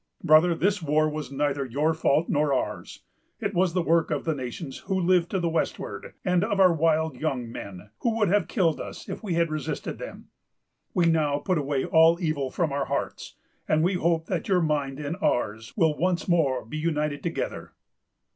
"Brother, this war was neither your fault nor ours. It was the work of the nations who live to the westward, and of our wild young men, who would have killed us if we had resisted them. We now put away all evil from our hearts; and we hope that your mind and ours will once more be united together.